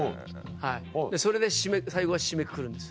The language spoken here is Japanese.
それで最後は締めくくるんです。